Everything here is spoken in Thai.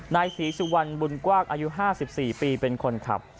นายศรีสุวรรณบุญกว้างอายุ๕๔ปีเป็นคนขับ